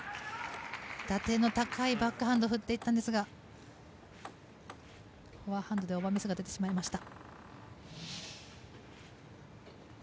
打点の高いバックハンドを振っていったんですがフォアハンドでオーバーミスが出てしまいました。